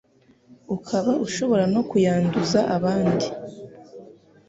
ukaba ushobora no kuyanduza abandi